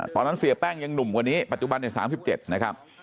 ตอนนั้นเสียแป้งยังหนุ่มกว่านี้ปัจจุบันใน๓๗นะครับ